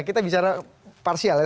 kita bicara parsial ya